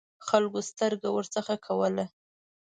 خلکو سترګه ورڅخه کوله.